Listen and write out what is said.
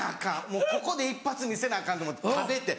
もうここで一発見せなアカンと思って食べて。